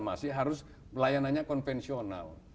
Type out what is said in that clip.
masih harus layanannya konvensional